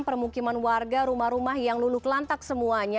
permukiman warga rumah rumah yang luluk lantak semuanya